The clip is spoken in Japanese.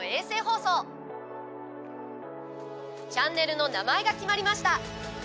チャンネルの名前が決まりました。